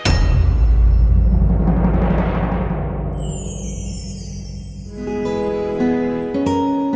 sekarang saya mau pindah bisa